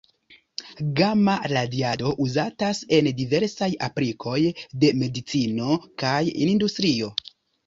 Gama-radiado uzatas en diversaj aplikoj de medicino kaj industrio.